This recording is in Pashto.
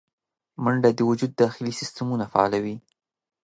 منډه د وجود داخلي سیستمونه فعالوي